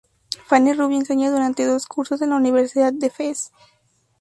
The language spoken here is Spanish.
Fanny Rubio enseña durante dos cursos en la Universidad de Fez.